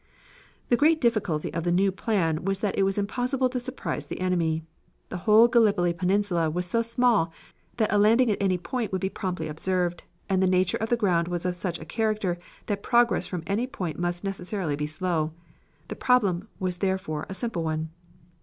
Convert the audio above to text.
The great difficulty of the new plan was that it was impossible to surprise the enemy. The whole Gallipoli Peninsula was so small that a landing at any point would be promptly observed, and the nature of the ground was of such a character that progress from any point must necessarily be slow. The problem was therefore a simple one.